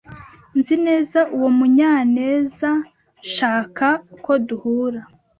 Nzi neza uwo Munyanezashaka ko duhura.